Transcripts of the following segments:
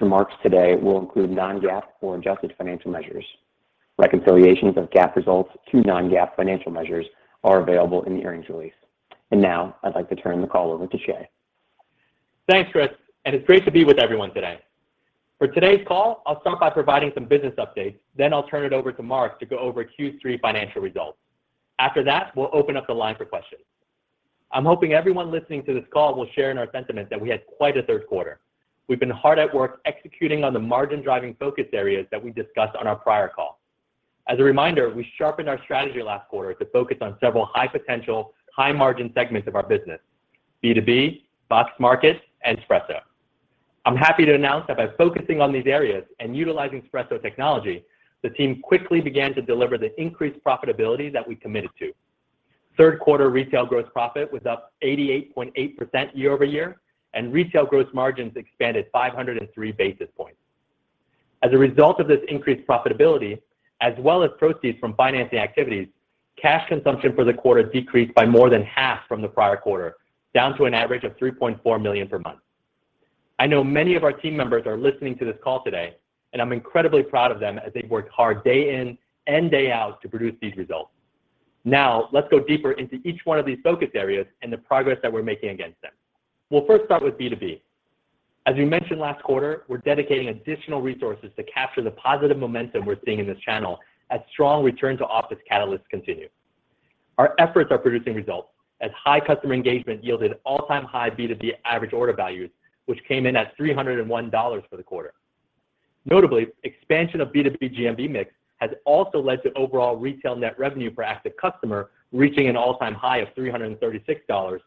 Remarks today will include non-GAAP or adjusted financial measures. Reconciliations of GAAP results to non-GAAP financial measures are available in the earnings release. Now I'd like to turn the call over to Chieh. Thanks, Chris, and it's great to be with everyone today. For today's call, I'll start by providing some business updates, then I'll turn it over to Mark to go over Q3 financial results. After that, we'll open up the line for questions. I'm hoping everyone listening to this call will share in our sentiment that we had quite a third quarter. We've been hard at work executing on the margin-driving focus areas that we discussed on our prior call. As a reminder, we sharpened our strategy last quarter to focus on several high potential, high margin segments of our business, B2B, Boxed Market, and Spresso. I'm happy to announce that by focusing on these areas and utilizing Spresso technology, the team quickly began to deliver the increased profitability that we committed to. Third quarter retail gross profit was up 88.8% year-over-year, and retail gross margins expanded 503 basis points. As a result of this increased profitability as well as proceeds from financing activities, cash consumption for the quarter decreased by more than half from the prior quarter, down to an average of $3.4 million per month. I know many of our team members are listening to this call today, and I'm incredibly proud of them as they've worked hard day in and day out to produce these results. Now, let's go deeper into each one of these focus areas and the progress that we're making against them. We'll first start with B2B. As we mentioned last quarter, we're dedicating additional resources to capture the positive momentum we're seeing in this channel as strong return to office catalysts continue. Our efforts are producing results as high customer engagement yielded all-time high B2B average order values, which came in at $301 for the quarter. Notably, expansion of B2B GMV mix has also led to overall retail net revenue per active customer reaching an all-time high of $336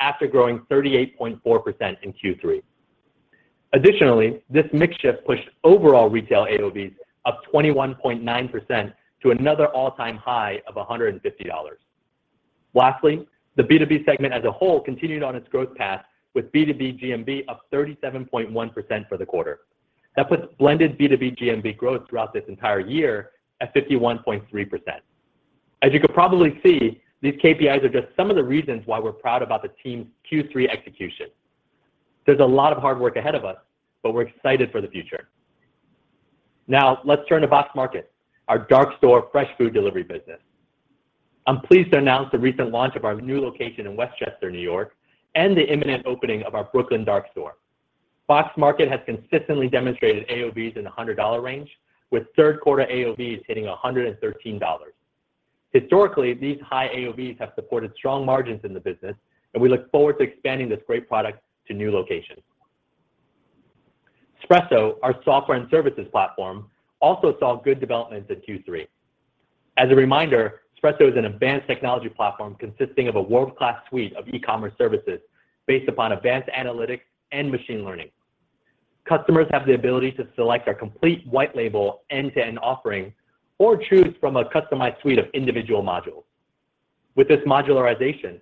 after growing 38.4% in Q3. Additionally, this mix shift pushed overall retail AOV up 21.9% to another all-time high of $150. Lastly, the B2B segment as a whole continued on its growth path with B2B GMV up 37.1% for the quarter. That puts blended B2B GMV growth throughout this entire year at 51.3%. As you can probably see, these KPIs are just some of the reasons why we're proud about the team's Q3 execution. There's a lot of hard work ahead of us, but we're excited for the future. Now, let's turn to Boxed Market, our dark store fresh food delivery business. I'm pleased to announce the recent launch of our new location in Westchester, New York, and the imminent opening of our Brooklyn dark store. Boxed Market has consistently demonstrated AOVs in the $100 range, with third quarter AOVs hitting $113. Historically, these high AOVs have supported strong margins in the business, and we look forward to expanding this great product to new locations. Spresso, our software and services platform, also saw good developments in Q3. As a reminder, Spresso is an advanced technology platform consisting of a world-class suite of e-commerce services based upon advanced analytics and machine learning. Customers have the ability to select our complete white label end-to-end offering or choose from a customized suite of individual modules. With this modularization,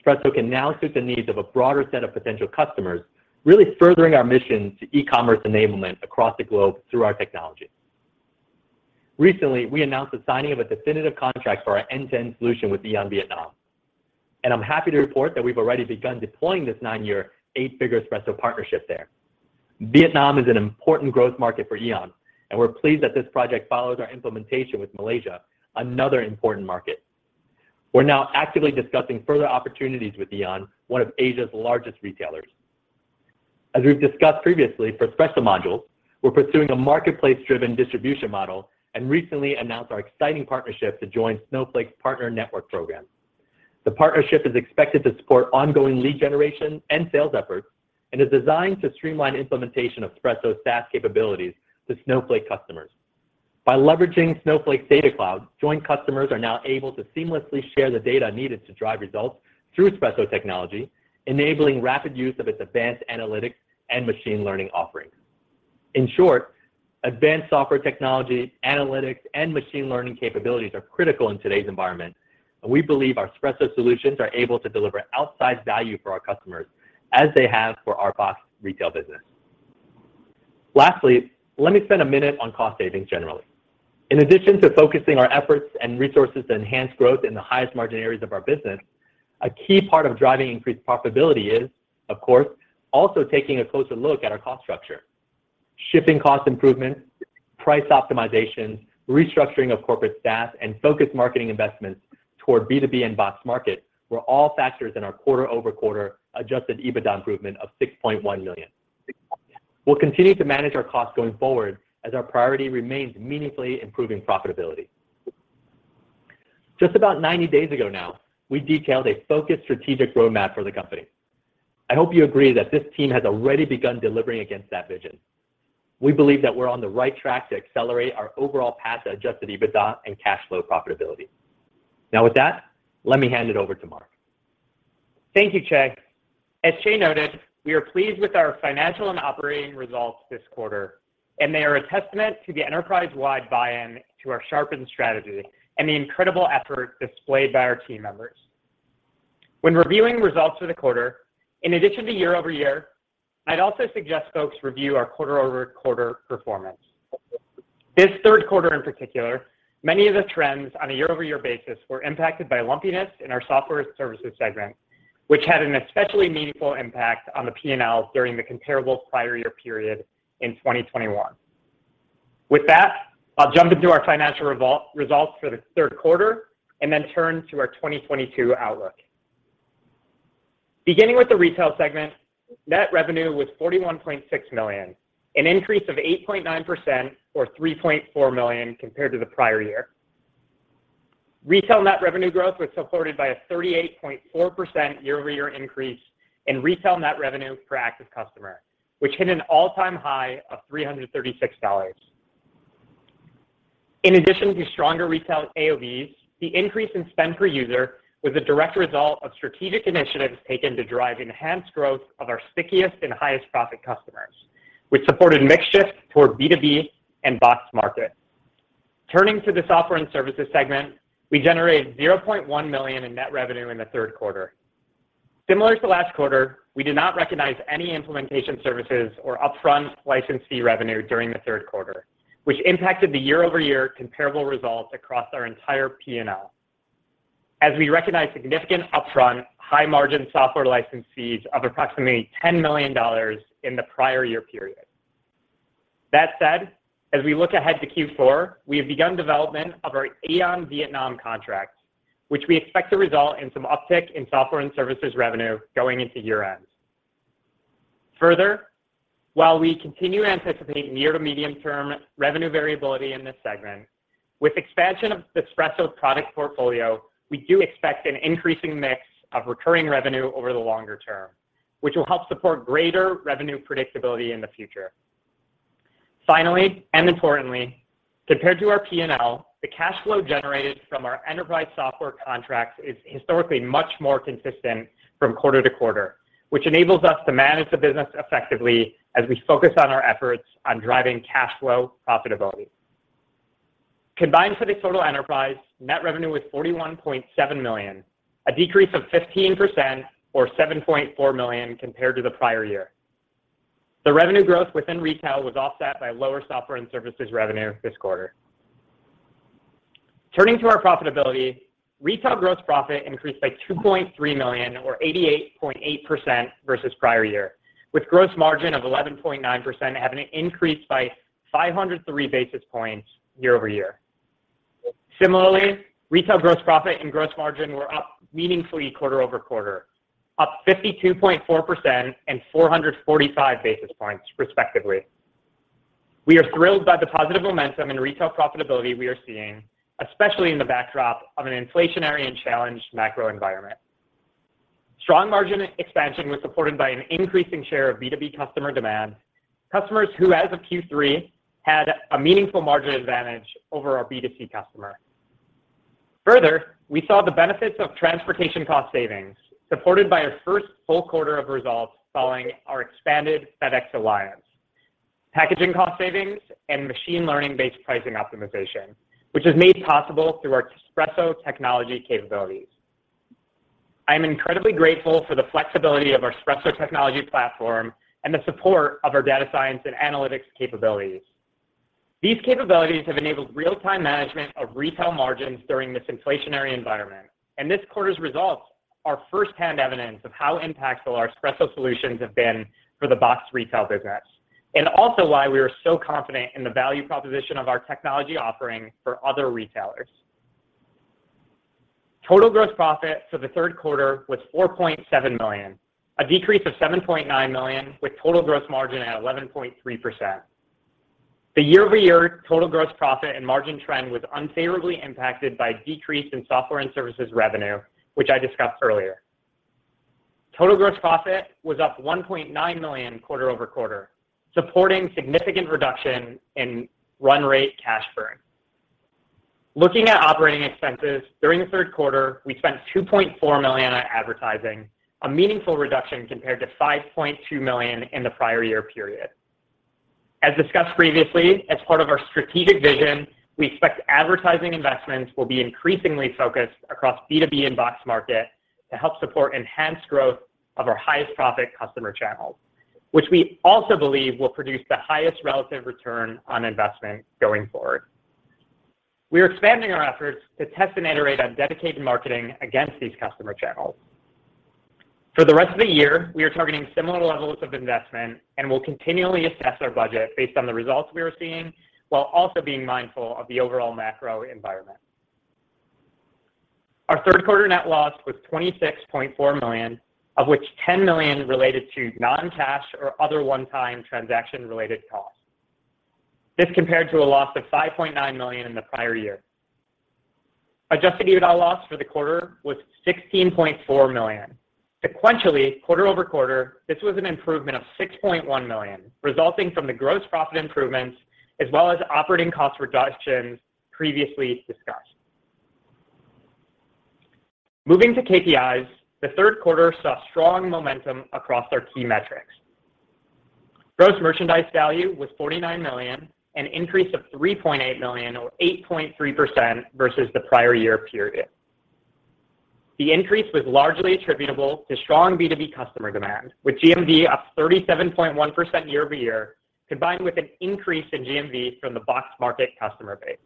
Spresso can now suit the needs of a broader set of potential customers, really furthering our mission to e-commerce enablement across the globe through our technology. Recently, we announced the signing of a definitive contract for our end-to-end solution with AEON Vietnam, and I'm happy to report that we've already begun deploying this nine-year, eight-figure Spresso partnership there. Vietnam is an important growth market for AEON, and we're pleased that this project follows our implementation with Malaysia, another important market. We're now actively discussing further opportunities with AEON, one of Asia's largest retailers. As we've discussed previously for Spresso modules, we're pursuing a marketplace-driven distribution model and recently announced our exciting partnership to join Snowflake's Partner Network Program. The partnership is expected to support ongoing lead generation and sales efforts and is designed to streamline implementation of Spresso's SaaS capabilities to Snowflake customers. By leveraging Snowflake Data Cloud, joint customers are now able to seamlessly share the data needed to drive results through Spresso technology, enabling rapid use of its advanced analytics and machine learning offerings. In short, advanced software technology, analytics, and machine learning capabilities are critical in today's environment, and we believe our Spresso solutions are able to deliver outsized value for our customers as they have for our Boxed retail business. Lastly, let me spend a minute on cost savings generally. In addition to focusing our efforts and resources to enhance growth in the highest margin areas of our business, a key part of driving increased profitability is, of course, also taking a closer look at our cost structure. Shipping cost improvements, price optimization, restructuring of corporate staff, and focused marketing investments toward B2B and Boxed Market were all factors in our quarter-over-quarter adjusted EBITDA improvement of $6.1 million. We'll continue to manage our costs going forward as our priority remains meaningfully improving profitability. Just about 90 days ago now, we detailed a focused strategic roadmap for the company. I hope you agree that this team has already begun delivering against that vision. We believe that we're on the right track to accelerate our overall path to adjusted EBITDA and cash flow profitability. Now, with that, let me hand it over to Mark. Thank you, Chieh. As Chieh noted, we are pleased with our financial and operating results this quarter, and they are a testament to the enterprise-wide buy-in to our sharpened strategy and the incredible effort displayed by our team members. When reviewing results for the quarter, in addition to year-over-year, I'd also suggest folks review our quarter-over-quarter performance. This third quarter in particular, many of the trends on a year-over-year basis were impacted by lumpiness in our software services segment, which had an especially meaningful impact on the P&L during the comparable prior year period in 2021. With that, I'll jump into our financial results for the third quarter and then turn to our 2022 outlook. Beginning with the retail segment, net revenue was $41.6 million, an increase of 8.9% or $3.4 million compared to the prior year. Retail net revenue growth was supported by a 38.4% year-over-year increase in retail net revenue per active customer, which hit an all-time high of $336. In addition to stronger retail AOVs, the increase in spend per user was a direct result of strategic initiatives taken to drive enhanced growth of our stickiest and highest profit customers, which supported mix shift toward B2B and Boxed Market. Turning to the software and services segment, we generated $0.1 million in net revenue in the third quarter. Similar to last quarter, we did not recognize any implementation services or upfront license fee revenue during the third quarter, which impacted the year-over-year comparable results across our entire P&L as we recognized significant upfront high margin software license fees of approximately $10 million in the prior year period. That said, as we look ahead to Q4, we have begun development of our AEON Vietnam contract, which we expect to result in some uptick in software and services revenue going into year-end. Further, while we continue to anticipate near to medium-term revenue variability in this segment, with expansion of the Spresso product portfolio, we do expect an increasing mix of recurring revenue over the longer-term, which will help support greater revenue predictability in the future. Finally, and importantly, compared to our P&L, the cash flow generated from our enterprise software contracts is historically much more consistent from quarter to quarter, which enables us to manage the business effectively as we focus on our efforts on driving cash flow profitability. Combined for the total enterprise, net revenue was $41.7 million, a decrease of 15% or $7.4 million compared to the prior year. The revenue growth within retail was offset by lower software and services revenue this quarter. Turning to our profitability, retail gross profit increased by $2.3 million or 88.8% versus prior year, with gross margin of 11.9% having increased by 503 basis points year-over-year. Similarly, retail gross profit and gross margin were up meaningfully quarter-over-quarter, up 52.4% and 445 basis points respectively. We are thrilled by the positive momentum in retail profitability we are seeing, especially in the backdrop of an inflationary and challenged macro environment. Strong margin expansion was supported by an increasing share of B2B customer demand, customers who, as of Q3, had a meaningful margin advantage over our B2C customer. Further, we saw the benefits of transportation cost savings supported by our first full quarter of results following our expanded FedEx alliance, packaging cost savings, and machine learning-based pricing optimization, which is made possible through our Spresso technology capabilities. I'm incredibly grateful for the flexibility of our Spresso technology platform and the support of our data science and analytics capabilities. These capabilities have enabled real-time management of retail margins during this inflationary environment, and this quarter's results are firsthand evidence of how impactful our Spresso solutions have been for the Boxed retail business, and also why we are so confident in the value proposition of our technology offering for other retailers. Total gross profit for the third quarter was $4.7 million, a decrease of $7.9 million, with total gross margin at 11.3%. The year-over-year total gross profit and margin trend was unfavorably impacted by decrease in software and services revenue, which I discussed earlier. Total gross profit was up $1.9 million quarter-over-quarter, supporting significant reduction in run rate cash burn. Looking at operating expenses, during the third quarter, we spent $2.4 million on advertising, a meaningful reduction compared to $5.2 million in the prior year period. As discussed previously, as part of our strategic vision, we expect advertising investments will be increasingly focused across B2B and Boxed Market to help support enhanced growth of our highest profit customer channels, which we also believe will produce the highest relative return on investment going forward. We are expanding our efforts to test and iterate on dedicated marketing against these customer channels. For the rest of the year, we are targeting similar levels of investment and will continually assess our budget based on the results we are seeing while also being mindful of the overall macro environment. Our third quarter net loss was $26.4 million, of which $10 million related to non-cash or other one-time transaction-related costs. This compared to a loss of $5.9 million in the prior year. Adjusted EBITDA loss for the quarter was $16.4 million. Sequentially, quarter-over-quarter, this was an improvement of $6.1 million, resulting from the gross profit improvements as well as operating cost reductions previously discussed. Moving to KPIs, the third quarter saw strong momentum across our key metrics. Gross merchandise value was $49 million, an increase of $3.8 million or 8.3% versus the prior year period. The increase was largely attributable to strong B2B customer demand, with GMV up 37.1% year-over-year, combined with an increase in GMV from the Boxed Market customer base.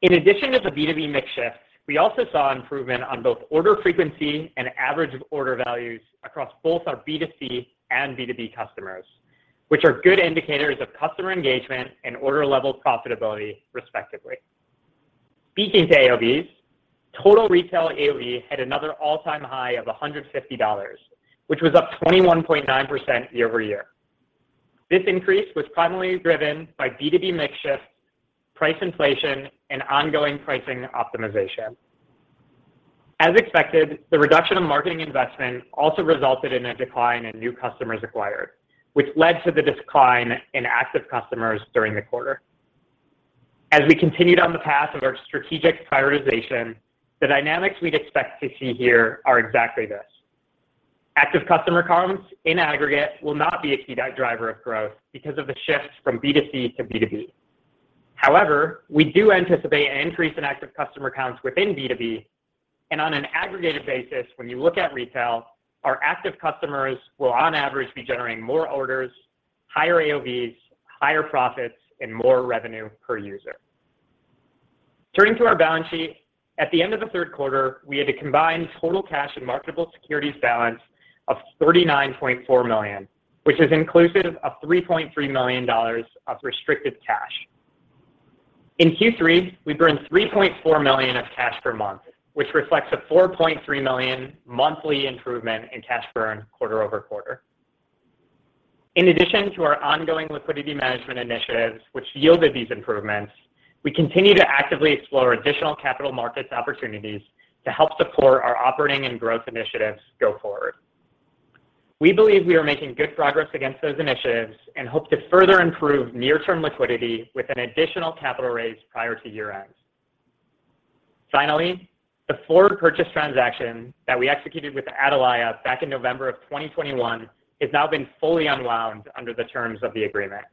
In addition to the B2B mix shift, we also saw improvement on both order frequency and average order values across both our B2C and B2B customers, which are good indicators of customer engagement and order level profitability respectively. Speaking to AOV, total retail AOV had another all-time high of $150, which was up 21.9% year-over-year. This increase was primarily driven by B2B mix shifts, price inflation, and ongoing pricing optimization. As expected, the reduction in marketing investment also resulted in a decline in new customers acquired, which led to the decline in active customers during the quarter. As we continued on the path of our strategic prioritization, the dynamics we'd expect to see here are exactly this. Active customer counts in aggregate will not be a key driver of growth because of the shift from B2C to B2B. However, we do anticipate an increase in active customer counts within B2B. On an aggregated basis, when you look at retail, our active customers will, on average, be generating more orders, higher AOVs, higher profits, and more revenue per user. Turning to our balance sheet, at the end of the third quarter, we had a combined total cash and marketable securities balance of $39.4 million, which is inclusive of $3.3 million of restricted cash. In Q3, we burned $3.4 million of cash per month, which reflects a $4.3 million monthly improvement in cash burn quarter-over-quarter. In addition to our ongoing liquidity management initiatives which yielded these improvements, we continue to actively explore additional capital markets opportunities to help support our operating and growth initiatives go forward. We believe we are making good progress against those initiatives and hope to further improve near-term liquidity with an additional capital raise prior to year-end. Finally, the forward purchase transaction that we executed with Atalaya back in November of 2021 has now been fully unwound under the terms of the agreement.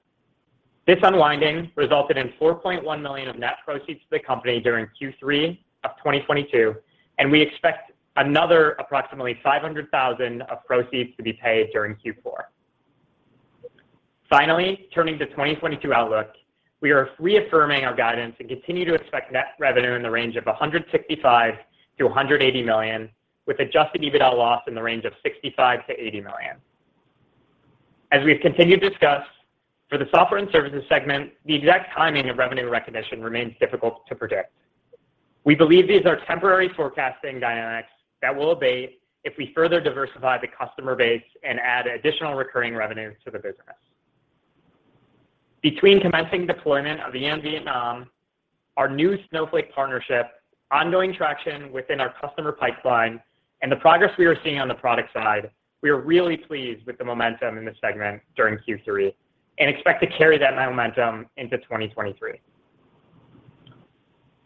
This unwinding resulted in $4.1 million of net proceeds to the company during Q3 of 2022, and we expect another approximately $500,000 of proceeds to be paid during Q4. Finally, turning to 2022 outlook, we are reaffirming our guidance and continue to expect net revenue in the range of $165 million-$180 million, with adjusted EBITDA loss in the range of $65 million-$80 million. As we have continued to discuss, for the software and services segment, the exact timing of revenue recognition remains difficult to predict. We believe these are temporary forecasting dynamics that will abate if we further diversify the customer base and add additional recurring revenue to the business. Between commencing deployment of AEON Vietnam, our new Snowflake partnership, ongoing traction within our customer pipeline, and the progress we are seeing on the product side, we are really pleased with the momentum in the segment during Q3 and expect to carry that momentum into 2023.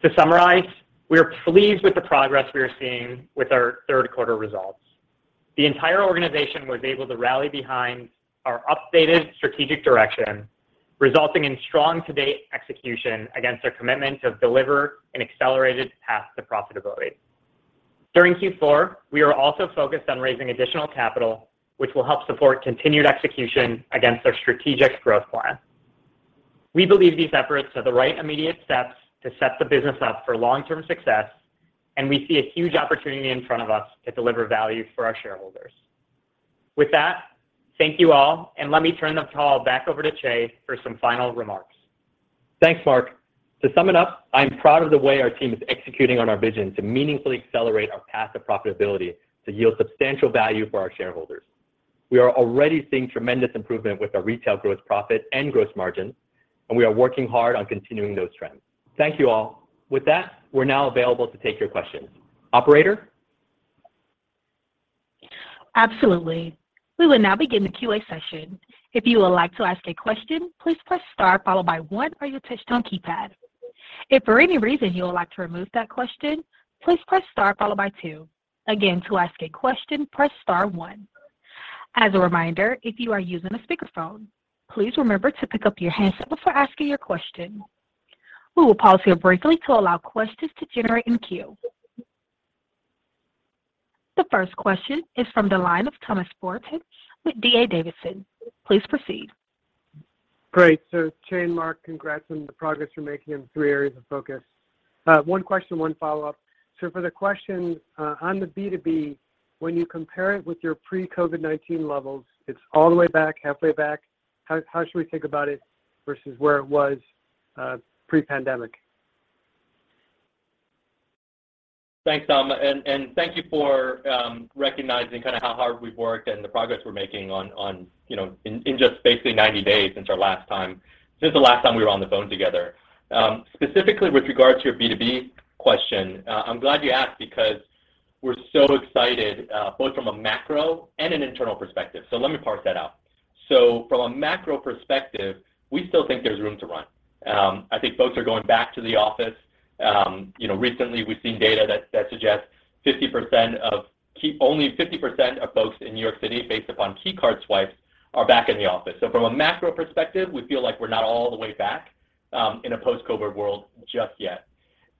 To summarize, we are pleased with the progress we are seeing with our third quarter results. The entire organization was able to rally behind our updated strategic direction, resulting in strong to-date execution against our commitment to deliver an accelerated path to profitability. During Q4, we are also focused on raising additional capital, which will help support continued execution against our strategic growth plan. We believe these efforts are the right immediate steps to set the business up for long-term success, and we see a huge opportunity in front of us to deliver value for our shareholders. With that, thank you all, and let me turn the call back over to Chieh for some final remarks. Thanks, Mark. To sum it up, I am proud of the way our team is executing on our vision to meaningfully accelerate our path to profitability to yield substantial value for our shareholders. We are already seeing tremendous improvement with our retail growth profit and gross margin, and we are working hard on continuing those trends. Thank you all. With that, we're now available to take your questions. Operator? Absolutely. We will now begin the Q&A session. If you would like to ask a question, please press star followed by one on your touch tone keypad. If for any reason you would like to remove that question, please press star followed by two. Again, to ask a question, press star one. As a reminder, if you are using a speakerphone, please remember to pick up your handset before asking your question. We will pause here briefly to allow questions to generate in queue. The first question is from the line of Thomas Forte with D.A. Davidson. Please proceed. Great. Chieh and Mark, congrats on the progress you're making in the three areas of focus. One question, one follow-up. For the question, on the B2B, when you compare it with your pre-COVID-19 levels, it's all the way back, halfway back. How should we think about it versus where it was, pre-pandemic? Thanks, Tom. Thank you for recognizing kinda how hard we've worked and the progress we're making on, you know, in just basically 90 days since the last time we were on the phone together. Specifically with regards to your B2B question, I'm glad you asked because we're so excited, both from a macro and an internal perspective. Let me parse that out. From a macro perspective, we still think there's room to run. I think folks are going back to the office. You know, recently we've seen data that suggests 50% of key card swipes. Only 50% of folks in New York City based upon key card swipes are back in the office. From a macro perspective, we feel like we're not all the way back in a post-COVID world just yet.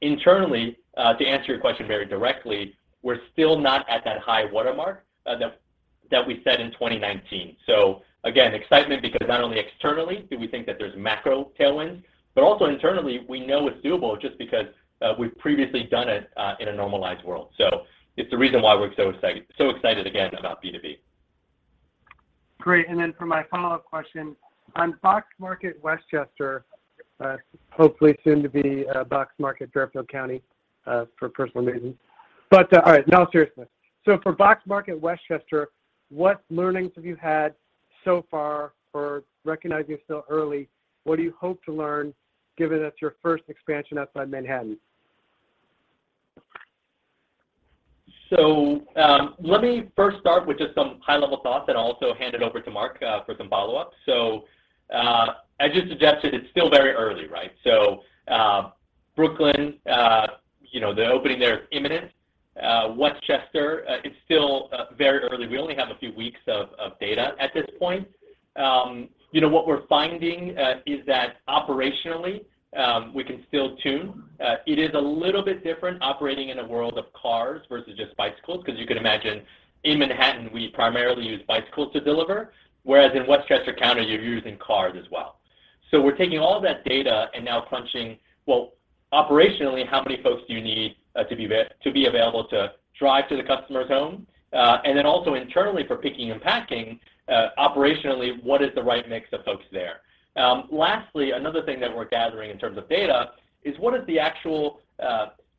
Internally, to answer your question very directly, we're still not at that high watermark, that we set in 2019. Again, excitement because not only externally do we think that there's macro tailwinds, but also internally, we know it's doable just because, we've previously done it, in a normalized world. It's the reason why we're so excited again about B2B. Great. For my follow-up question, on Boxed Market Westchester, hopefully soon to be Boxed Market Fairfield County, for personal reasons. All right, no, seriously. For Boxed Market Westchester, what learnings have you had so far for recognizing it's still early? What do you hope to learn given that's your first expansion outside Manhattan? Let me first start with just some high-level thoughts and also hand it over to Mark for some follow-ups. As you suggested, it's still very early, right? Brooklyn, you know, the opening there is imminent. Westchester, it's still very early. We only have a few weeks of data at this point. You know, what we're finding is that operationally, we can still tune. It is a little bit different operating in a world of cars versus just bicycles because you can imagine in Manhattan, we primarily use bicycles to deliver, whereas in Westchester County, you're using cars as well. We're taking all of that data and now crunching, well, operationally, how many folks do you need to be available to drive to the customer's home? Also internally for picking and packing, operationally, what is the right mix of folks there? Lastly, another thing that we're gathering in terms of data is what is the actual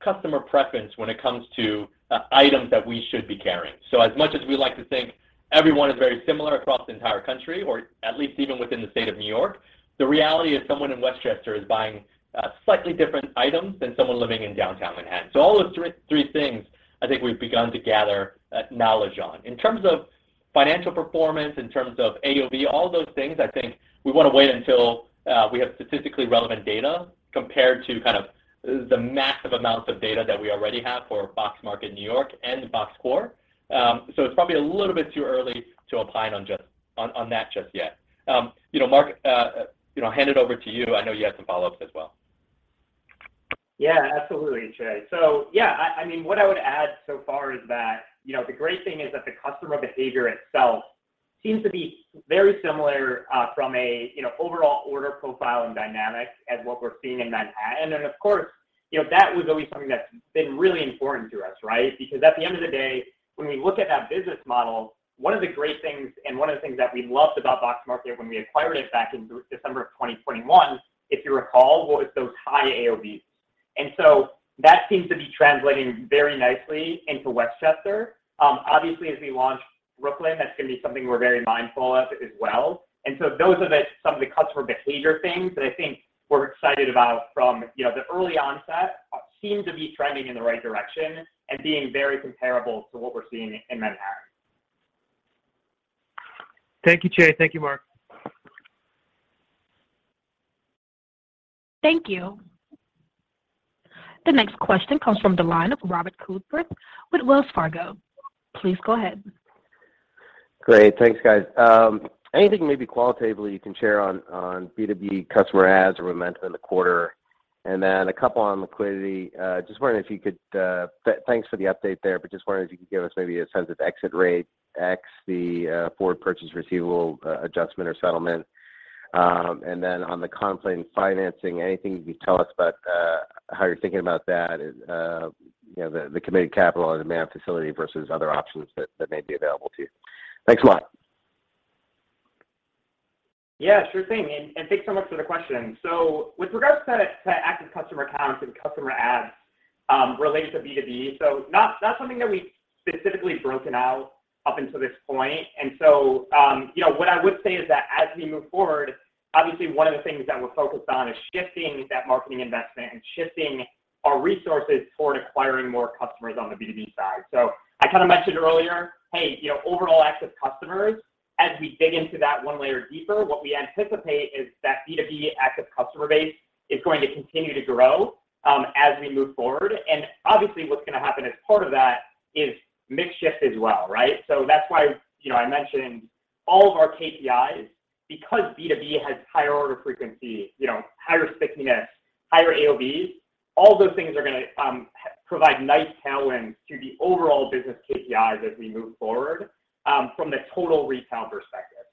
customer preference when it comes to items that we should be carrying. As much as we like to think everyone is very similar across the entire country or at least even within the state of New York, the reality is someone in Westchester is buying slightly different items than someone living in Downtown Manhattan. All those three things I think we've begun to gather knowledge on. In terms of financial performance, in terms of AOV, all those things, I think we wanna wait until we have statistically relevant data compared to kind of the massive amounts of data that we already have for Boxed Market New York and Boxed Core. It's probably a little bit too early to opine on just that just yet. You know, Mark, you know, hand it over to you. I know you had some follow-ups as well. Yeah, absolutely, Chieh. Yeah, I mean, what I would add so far is that, you know, the great thing is that the customer behavior itself seems to be very similar from a, you know, overall order profile and dynamic as what we're seeing in Manhattan. Of course, you know, that was always something that's been really important to us, right? Because at the end of the day, when we look at that business model, one of the great things and one of the things that we loved about Boxed Market when we acquired it back in December of 2021, if you recall, was those high AOVs. That seems to be translating very nicely into Westchester. Obviously, as we launch Brooklyn, that's gonna be something we're very mindful of as well. Those are some of the customer behavior things that I think we're excited about from, you know, the early onset seem to be trending in the right direction and being very comparable to what we're seeing in Manhattan. Thank you, Chieh. Thank you, Mark. Thank you. The next question comes from the line of Robert Coolbrith with Wells Fargo. Please go ahead. Great. Thanks, guys. Anything maybe qualitatively you can share on B2B customer adds or momentum in the quarter? Then a couple on liquidity. Just wondering if you could, thanks for the update there, but just wondering if you could give us maybe a sense of exit rate ex the forward purchase receivable adjustment or settlement. Then on the capital financing, anything you can tell us about how you're thinking about that, you know, the committed capital on-demand facility versus other options that may be available to you. Thanks a lot. Yeah, sure thing. Thanks so much for the question. With regards to that, to active customer counts and customer adds related to B2B, so not something that we've specifically broken out up until this point. You know, what I would say is that as we move forward, obviously, one of the things that we're focused on is shifting that marketing investment and shifting our resources toward acquiring more customers on the B2B side. I kinda mentioned earlier, hey, you know, overall active customers, as we dig into that one layer deeper, what we anticipate is that B2B active customer base is going to continue to grow as we move forward. Obviously, what's gonna happen as part of that is mix shift as well, right? That's why, you know, I mentioned all of our KPIs, because B2B has higher order frequency, you know, higher stickiness, higher AOVs, all those things are gonna provide nice tailwinds to the overall business KPIs as we move forward from the total retail perspective.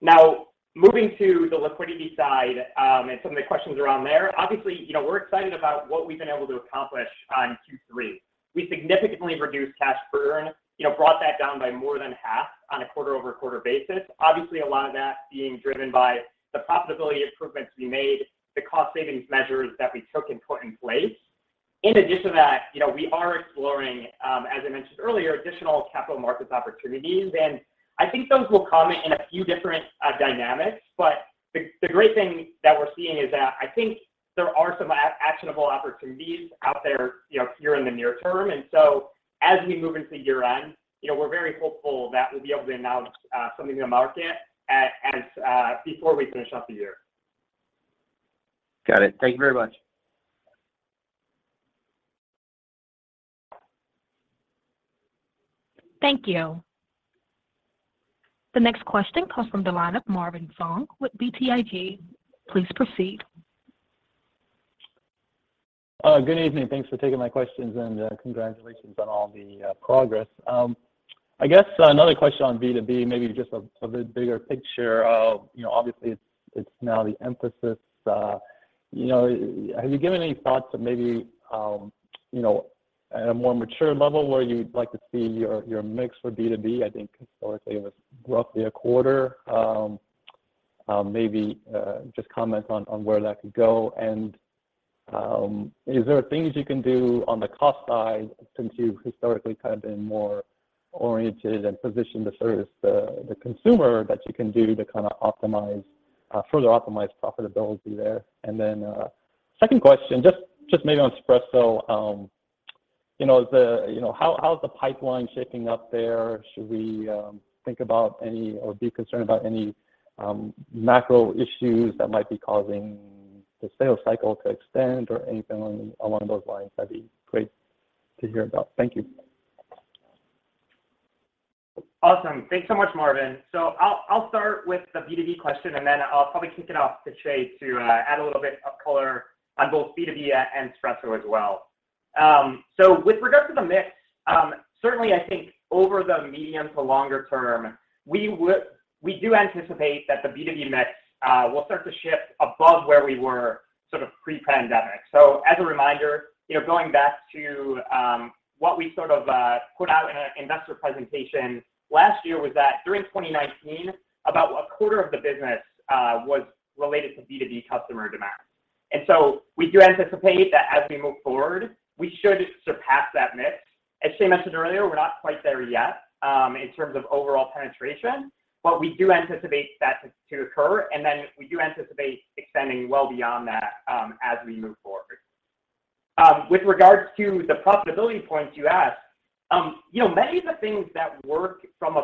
Now, moving to the liquidity side and some of the questions around there, obviously, you know, we're excited about what we've been able to accomplish on Q3. We significantly reduced cash burn, you know, brought that down by more than half on a quarter-over-quarter basis. Obviously, a lot of that being driven by the profitability improvements we made, the cost savings measures that we took and put in place. In addition to that, you know, we are exploring, as I mentioned earlier, additional capital markets opportunities. I think those will come in a few different dynamics. The great thing that we're seeing is that I think there are some actionable opportunities out there, you know, here in the near-term. As we move into year-end, you know, we're very hopeful that we'll be able to announce something to the market as before we finish up the year. Got it. Thank you very much. Thank you. The next question comes from the line of Marvin Fong with BTIG. Please proceed. Good evening. Thanks for taking my questions, and congratulations on all the progress. I guess another question on B2B, maybe just a bit bigger picture of, you know, obviously it's now the emphasis. You know, have you given any thoughts to maybe, you know, at a more mature level where you'd like to see your mix for B2B? I think historically it was roughly a quarter. Maybe just comment on where that could go. Is there things you can do on the cost side since you've historically kind of been more oriented and positioned to service the consumer that you can do to kind of optimize further optimize profitability there? Second question, just maybe on Spresso, you know, the You know, how's the pipeline shaping up there? Should we think about any or be concerned about any macro issues that might be causing the sales cycle to extend or anything along those lines? That'd be great to hear about. Thank you. Awesome. Thanks so much, Marvin. I'll start with the B2B question, and then I'll probably kick it off to Chieh to add a little bit of color on both B2B and Spresso as well. With regard to the mix, certainly I think over the medium to longer-term, we do anticipate that the B2B mix will start to shift above where we were sort of pre-pandemic. As a reminder, you know, going back to what we sort of put out in an investor presentation last year was that during 2019, about a quarter of the business was related to B2B customer demand. We do anticipate that as we move forward, we should surpass that mix. As Chieh mentioned earlier, we're not quite there yet, in terms of overall penetration, but we do anticipate that to occur, and then we do anticipate extending well beyond that, as we move forward. With regards to the profitability points you asked, you know, many of the things that work from a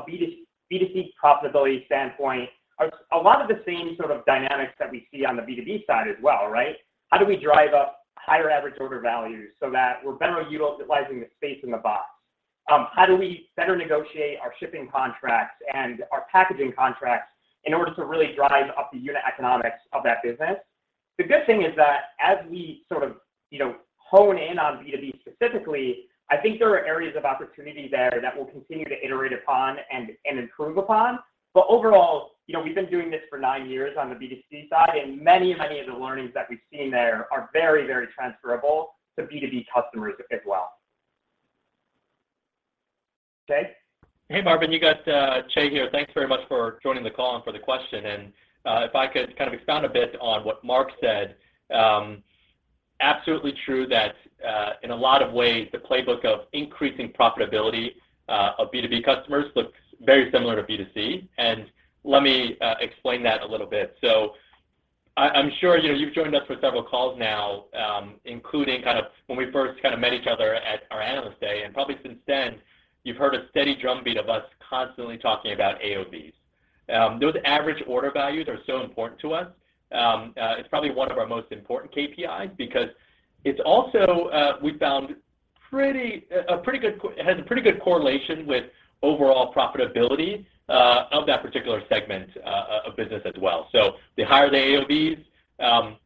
B2C profitability standpoint are a lot of the same sort of dynamics that we see on the B2B side as well, right? How do we drive up higher average order values so that we're better utilizing the space in the box? How do we better negotiate our shipping contracts and our packaging contracts in order to really drive up the unit economics of that business? The good thing is that as we sort of, you know, hone in on B2B specifically, I think there are areas of opportunity there that we'll continue to iterate upon and improve upon. Overall, you know, we've been doing this for nine years on the B2C side, and many, many of the learnings that we've seen there are very, very very transferable to B2B customers as well. Chieh? Hey, Marvin. You got Chieh here. Thanks very much for joining the call and for the question. If I could kind of expound a bit on what Mark said, absolutely true that in a lot of ways the playbook of increasing profitability of B2B customers looks very similar to B2C, and let me explain that a little bit. I'm sure you know you've joined us for several calls now, including kind of when we first kind of met each other at our Analyst Day. Probably since then, you've heard a steady drumbeat of us constantly talking about AOVs. Those average order values are so important to us. It's probably one of our most important KPIs because it has a pretty good correlation with overall profitability of that particular segment of business as well. The higher the AOVs,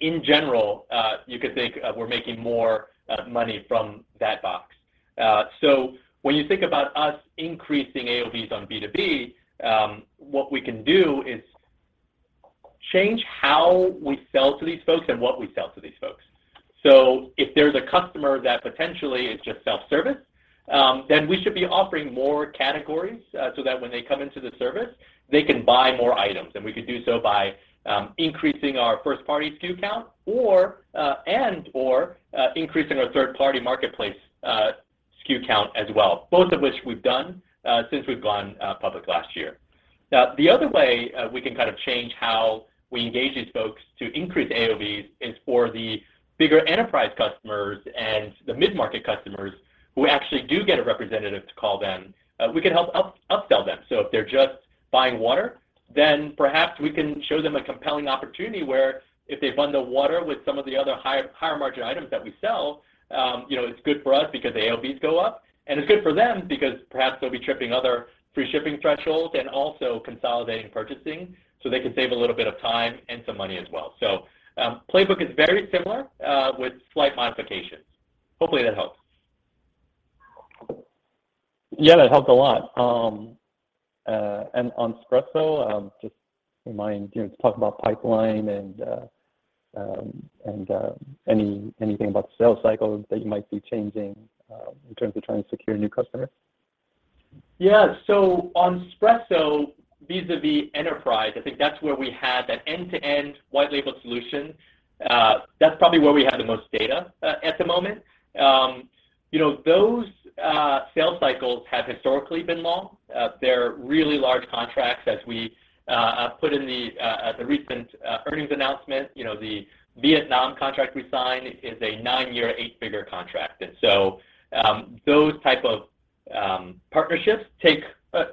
in general, you could think, we're making more money from that box. When you think about us increasing AOVs on B2B, what we can do is change how we sell to these folks and what we sell to these folks. If there's a customer that potentially is just self-service, then we should be offering more categories so that when they come into the service, they can buy more items. We can do so by increasing our first party SKU count or and/or increasing our third party marketplace SKU count as well, both of which we've done since we've gone public last year. Now, the other way we can kind of change how we engage these folks to increase AOVs is for the bigger enterprise customers and the mid-market customers who actually do get a representative to call them, we can help upsell them. If they're just buying water, then perhaps we can show them a compelling opportunity where if they bundle water with some of the other higher margin items that we sell, you know, it's good for us because the AOVs go up, and it's good for them because perhaps they'll be tripping other free shipping thresholds and also consolidating purchasing, so they can save a little bit of time and some money as well. Playbook is very similar, with slight modifications. Hopefully that helps. Yeah, that helped a lot. On Spresso, just remind, you know, talk about pipeline and anything about the sales cycles that you might be changing, in terms of trying to secure new customers. Yeah. On Spresso vis-à-vis enterprise, I think that's where we have that end-to-end white label solution. That's probably where we have the most data at the moment. You know, those sales cycles have historically been long. They're really large contracts as we put in the recent earnings announcement. You know, the Vietnam contract we signed is a nine-year, eight-figure contract. Those type of partnerships take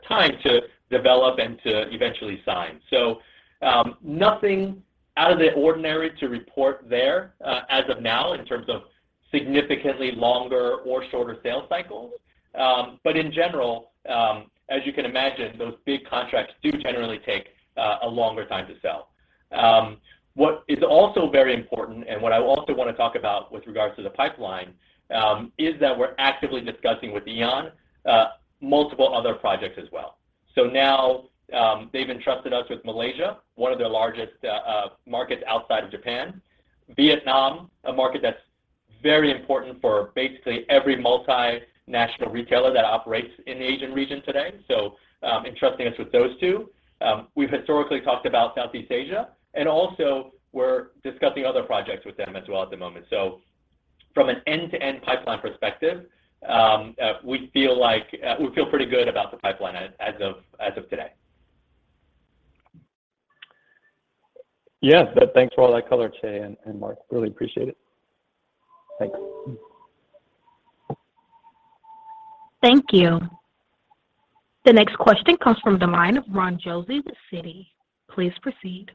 time to develop and to eventually sign. Nothing out of the ordinary to report there as of now in terms of significantly longer or shorter sales cycles. In general, as you can imagine, those big contracts do generally take a longer time to sell. What is also very important and what I also wanna talk about with regards to the pipeline is that we're actively discussing with AEON multiple other projects as well. Now, they've entrusted us with Malaysia, one of their largest markets outside of Japan. Vietnam, a market that's very important for basically every multinational retailer that operates in the Asian region today, entrusting us with those two. We've historically talked about Southeast Asia, and also we're discussing other projects with them as well at the moment. From an end-to-end pipeline perspective, we feel pretty good about the pipeline as of today. Yes. Thanks for all that color today, and Mark. Really appreciate it. Thanks. Thank you. The next question comes from the line of Ron Josey with Citi. Please proceed.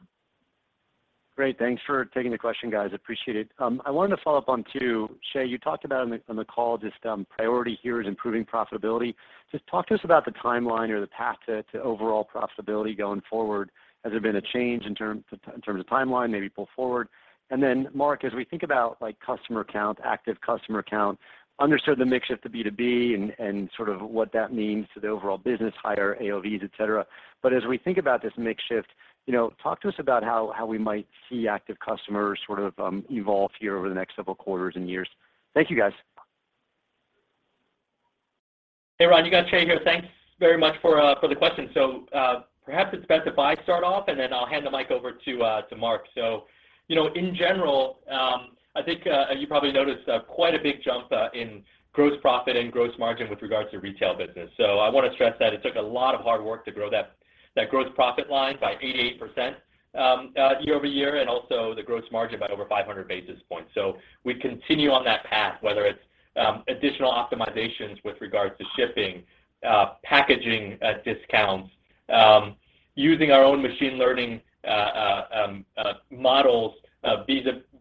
Great. Thanks for taking the question, guys. Appreciate it. I wanted to follow-up on that, Chieh, you talked about on the call just priority here is improving profitability. Just talk to us about the timeline or the path to overall profitability going forward. Has there been a change in terms of timeline, maybe pull forward? Mark, as we think about like customer count, active customer count, understood the mix shift to B2B and sort of what that means to the overall business, higher AOV et cetera. As we think about this mix shift, you know, talk to us about how we might see active customers sort of evolve here over the next several quarters and years. Thank you, guys. Hey, Ron, you got Chieh here. Thanks very much for the question. Perhaps it's best if I start off, and then I'll hand the mic over to Mark. You know, in general, I think you probably noticed quite a big jump in gross profit and gross margin with regards to retail business. I wanna stress that it took a lot of hard work to grow that gross profit line by 88%, year-over-year, and also the gross margin by over 500 basis points. We continue on that path, whether it's additional optimizations with regards to shipping, packaging, discounts, using our own machine learning models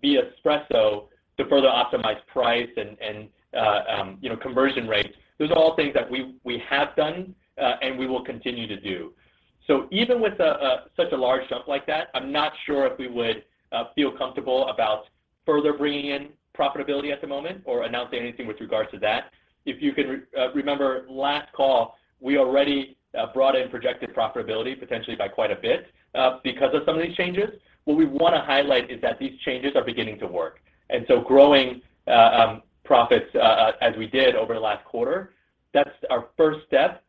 via Spresso to further optimize price and you know, conversion rates. Those are all things that we have done, and we will continue to do. Even with such a large jump like that, I'm not sure if we would feel comfortable about further bringing in profitability at the moment or announcing anything with regards to that. If you can remember last call, we already brought in projected profitability potentially by quite a bit, because of some of these changes. What we wanna highlight is that these changes are beginning to work. Growing profits as we did over the last quarter, that's our first step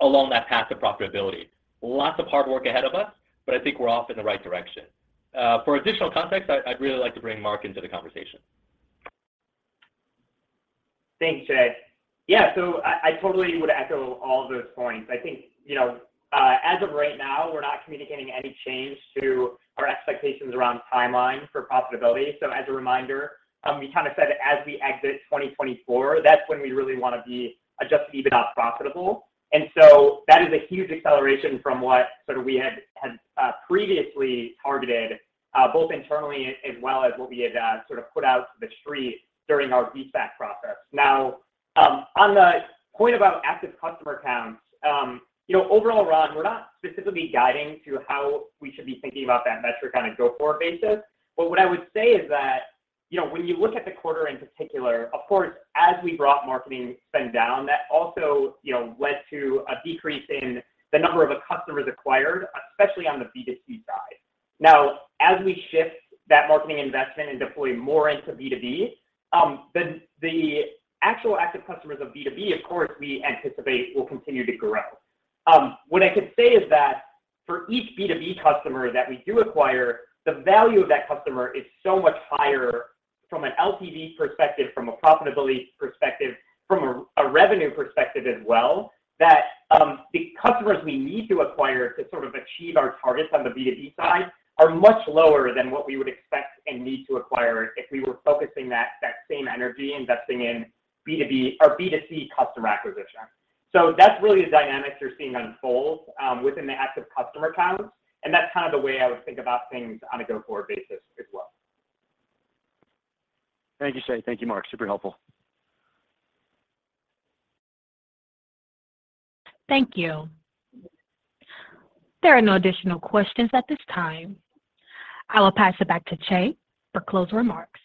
along that path of profitability. Lots of hard work ahead of us, but I think we're off in the right direction. For additional context, I'd really like to bring Mark into the conversation. Thanks, Chieh. Yeah. I totally would echo all of those points. I think, you know, as of right now, we're not communicating any change to our expectations around timeline for profitability. As a reminder, we kinda said as we exit 2024, that's when we really wanna be adjusted EBITDA profitable. That is a huge acceleration from what sort of we had previously targeted, both internally as well as what we had sort of put out to the street during our de-SPAC process. Now, on the point about active customer counts, you know, overall, Ron, we're not specifically guiding to how we should be thinking about that metric on a go-forward basis. What I would say is that, you know, when you look at the quarter in particular, of course, as we brought marketing spend down, that also, you know, led to a decrease in the number of customers acquired, especially on the B2C side. Now, as we shift that marketing investment and deploy more into B2B, the actual active customers of B2B, of course, we anticipate will continue to grow. What I can say is that for each B2B customer that we do acquire, the value of that customer is so much higher from an LTV perspective, from a profitability perspective, from a revenue perspective as well, that the customers we need to acquire to sort of achieve our targets on the B2B side are much lower than what we would expect and need to acquire if we were focusing that same energy investing in B2B or B2C customer acquisition. That's really the dynamics you're seeing unfold within the active customer counts, and that's kind of the way I would think about things on a go-forward basis as well. Thank you, Chieh. Thank you, Mark. Super helpful. Thank you. There are no additional questions at this time. I will pass it back to Chieh for closing remarks.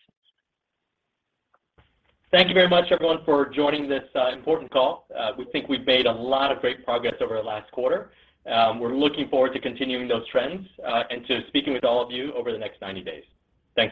Thank you very much, everyone, for joining this important call. We think we've made a lot of great progress over the last quarter. We're looking forward to continuing those trends, and to speaking with all of you over the next 90 days. Thanks, everyone.